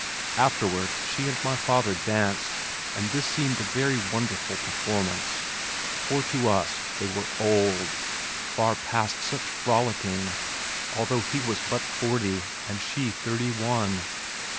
Afterward she and my father danced and this seemed a very wonderful performance, for to us they were "old" far past such frolicking, although he was but forty and she thirty one!